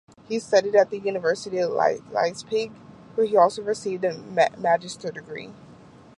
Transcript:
He studied at the University of Leipzig, where he also received a "Magister degree".